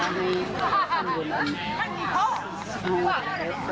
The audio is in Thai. แล้วมีภาพกรรมวล